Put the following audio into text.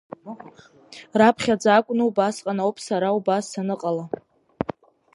Раԥхьаӡа акәны убасҟан ауп сара убас саныҟала.